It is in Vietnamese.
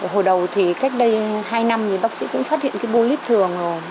hồi đầu thì cách đây hai năm thì bác sĩ cũng phát hiện cái bô lít thường rồi